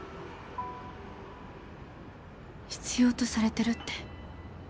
必要とされてるって